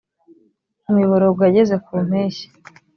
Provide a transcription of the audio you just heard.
imiborogo yageze ku mpeshyi